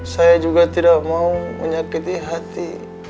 saya juga tidak mau menyakiti hati